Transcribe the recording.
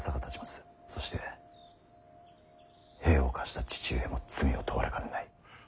そして兵を貸した父上も罪を問われかねない。